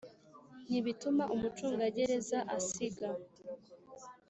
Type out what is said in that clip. ntibituma umucungagereza asiga